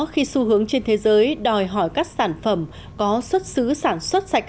khi xu hướng trên thế giới đòi hỏi các sản phẩm có xuất xứ sản xuất sạch